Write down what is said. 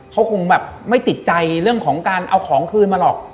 เขาคงแบบไม่ติดใจเรื่องของการเอาของคืนมาหรอก